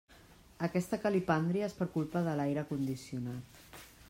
Aquesta calipàndria és per culpa de l'aire condicionat.